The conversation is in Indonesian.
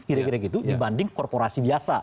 kira kira gitu dibanding korporasi biasa